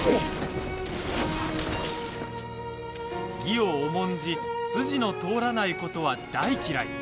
義を重んじ筋の通らないことは大嫌い。